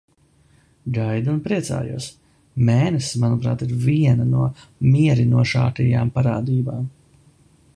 Gaidu un priecājos. Mēness, manuprāt, ir viena no mierinošākajām parādībām.